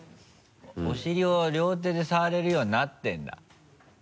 お尻を両手で触れるようになってるんだ。